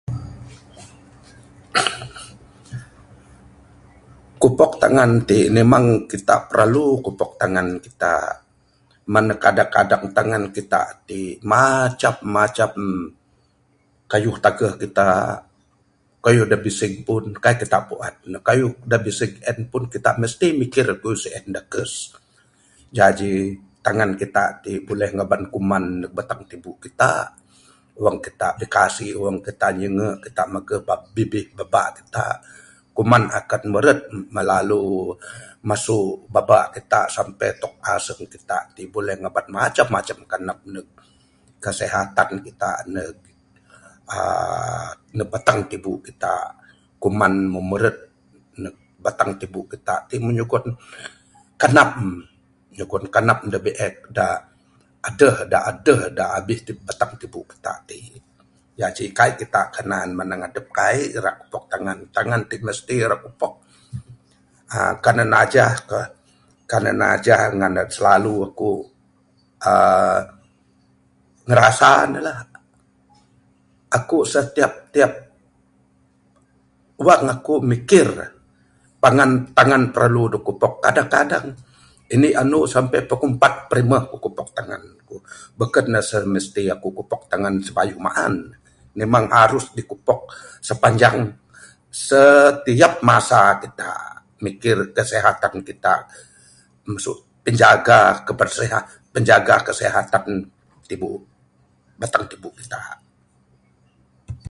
Kupok tangan ti memang kita perlu kupok tangan kita, man ne kadang kadang tangan kita ti macam macam kayuh tageh kita, kayuh da bisig pun kaik kita puan ne, kayuh da bisig en pun kita mesti mikir debu sien dakes. Jaji, tangan kita ti buleh ngaban kuman neg anak tibu kita, wang kita bikasik, wang kita nyinge, wang kita mageh bibih babak kita, kuman akan meret melalu ... masu babak kita sampe tok aseng kita ti buleh ngaban macam macam kanam neg kesihatan kita neg aaa neg batang tibu kita. Kuman meh meret neg batang tibu kita ti muh nyugon kanam, nyugon kanam da biek da adeh da abih batang tibu kita ti. Jaji kaik kita kanan manang adep kaik rak kupok tangan, tangan ti mesti rak kupok. [aaa) kan ne najah kan ne slalu aku aaa ngrasa ne lah, aku setiap tiap wang aku mikir tangan tangan parlu dog kupok. Kadang-kadang, inik anu sampai pukul umpat rimeh kupok tangan ku, beken ne setiap mesti aku kupok tangam sbayuh maan, nimang harus dikupok sepanjang ... setiap masa kita, mikir kesehatan kita masu penjaga kebersihan, penjaga kesehatan tibu, batang tibu kita.